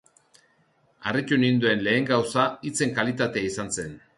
Harritu ninduen lehen gauza hitzen kalitatea izan zen.